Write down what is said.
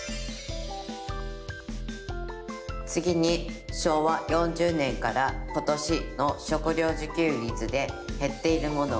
次に昭和４０年から今年の食料自給率でへっているものは。